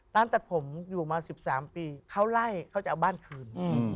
ตัดผมอยู่มา๑๓ปีเขาไล่เขาจะเอาบ้านคืน